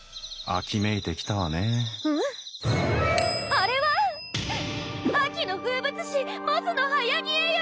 あれは秋の風物詩モズのはやにえよ！